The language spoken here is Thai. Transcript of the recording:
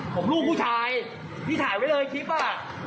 ผมลูกผู้ชายพี่ถ่ายไว้เลยคลิปอ่ะ